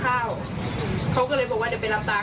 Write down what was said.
แฟนหนูก็ไปรับเพื่อที่จะไปรับกลับบ้าน